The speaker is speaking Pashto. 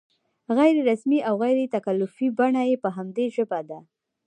غیر رسمي او غیر تکلفي بڼه یې په همدې ژبه ده.